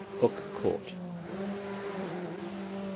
HOOK COURT. Mr.